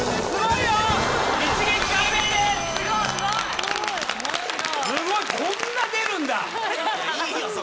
すごいよ。